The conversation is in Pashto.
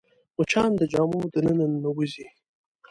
مچان د جامو دننه ننوځي